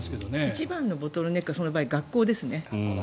一番のボトルネックは学校ですね。